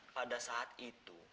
pada saat ini